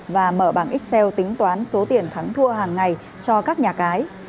và mở bảng xil tính toán số tiền thắng thua hàng ngày cho các nhà cái